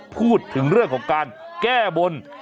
พูดถึงเรื่องของการแก้บน